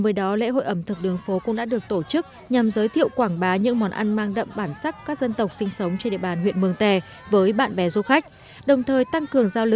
huyện mường tè đã tổ chức cho nhân dân các dân tộc an khang thịnh vượng